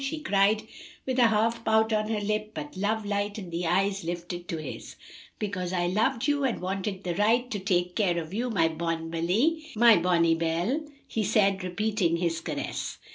she cried with a half pout on her lip, but love light in the eyes lifted to his. "Because I loved you and wanted the right to take care of you, my bonny belle," he said, repeating his caress.